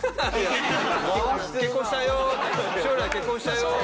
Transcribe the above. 将来結婚したいよって。